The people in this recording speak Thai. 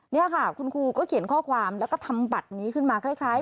นี่ค่ะคุณครูก็เขียนข้อความแล้วก็ทำบัตรนี้ขึ้นมาคล้าย